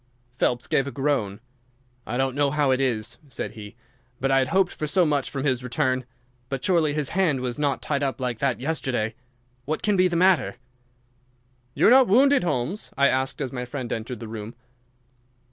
Phelps gave a groan. "I don't know how it is," said he, "but I had hoped for so much from his return. But surely his hand was not tied up like that yesterday. What can be the matter?" "You are not wounded, Holmes?" I asked, as my friend entered the room.